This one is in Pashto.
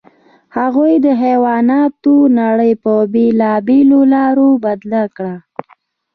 هغوی د حیواناتو نړۍ په بېلابېلو لارو بدل کړه.